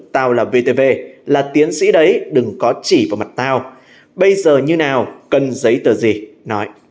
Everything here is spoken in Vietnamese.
tàu là vtv là tiến sĩ đấy đừng có chỉ vào mặt thao bây giờ như nào cần giấy tờ gì nói